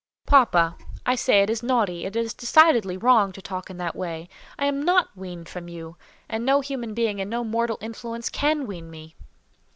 "Papa, I say it is naughty, it is decidedly wrong, to talk in that way. I am not weaned from you, and no human being and no mortal influence can wean me."